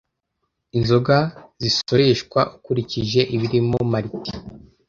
Inzoga zisoreshwa ukurikije ibirimo malt